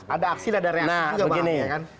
ada aksi dan ada reaksi juga bang